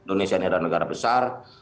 indonesia ini adalah negara besar